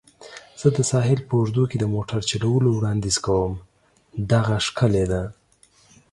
زه د ساحل په اوږدو کې د موټر چلولو وړاندیز کوم. دغه ښکلې ده.